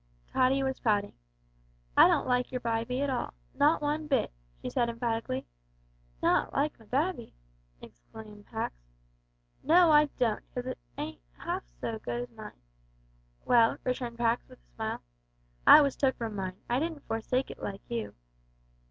Tottie was pouting. "I don't like your bybie at all not one bit," she said emphatically. "Not like my babby!" exclaimed Pax. "No, I don't, 'cause it isn't 'alf so good as mine." "Well," returned Pax, with a smile, "I was took from mine. I didn't forsake it like you."